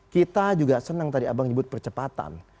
kita juga senang tadi abang nyebut percepatan